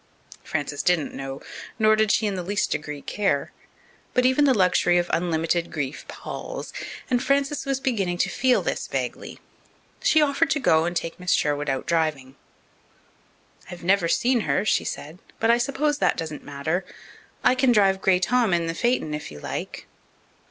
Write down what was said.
Frances didn't know, nor did she in the least degree care. But even the luxury of unlimited grief palls, and Frances was beginning to feel this vaguely. She offered to go and take Miss Sherwood out driving. "I've never seen her," she said, "but I suppose that doesn't matter. I can drive Grey Tom in the phaeton, if you like."